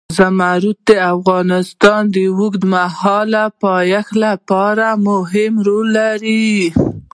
زمرد د افغانستان د اوږدمهاله پایښت لپاره مهم رول لري.